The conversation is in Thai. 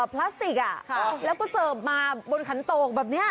พลาสติกแล้วก็เสิร์ฟมาบนขันโตกแบบนี้